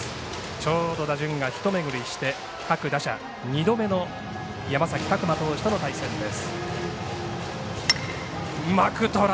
ちょうど打順が一巡りして、各打者２度目の山崎琢磨投手との対戦です。